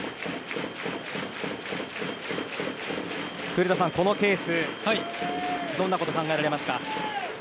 古田さん、このケースどんなことが考えられますか。